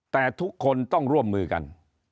แต่ทุกคนต้องร่วมมือกัน